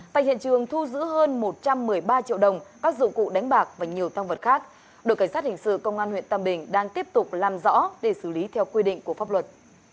tại hiện trường thu giữ hơn một trăm một mươi ba triệu đồng các dụng cụ đánh bạc và nhiều tăng vật khác đội cảnh sát hình sự công an huyện tàm bình đang tiếp tục làm rõ để xử lý theo quy định của pháp luật